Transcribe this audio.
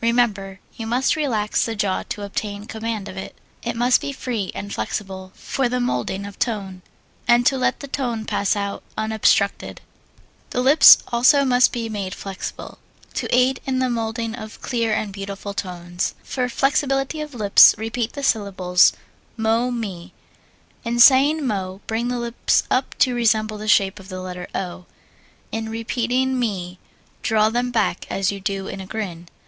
Remember, you must relax the jaw to obtain command of it. It must be free and flexible for the moulding of tone, and to let the tone pass out unobstructed. The lips also must be made flexible, to aid in the moulding of clear and beautiful tones. For flexibility of lips repeat the syllables, mo me. In saying mo, bring the lips up to resemble the shape of the letter O. In repeating me draw them back as you do in a grin.